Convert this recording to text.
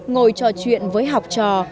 ngồi trò chuyện với học trò